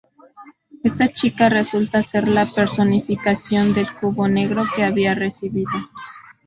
Esta chica resulta ser la personificación del cubo negro que había recibido.